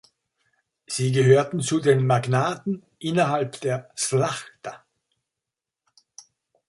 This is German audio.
Sie gehörten zu den Magnaten innerhalb der Szlachta.